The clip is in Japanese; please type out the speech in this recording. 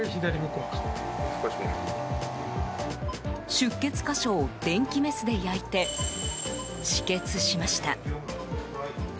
出血箇所を電気メスで焼いて止血しました。